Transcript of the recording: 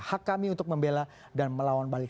hak kami untuk membela dan melawan balik